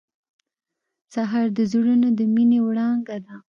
سهار د زړونو د مینې وړانګه ده.